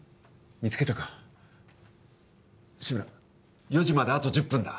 見つけたか志村４時まであと１０分だ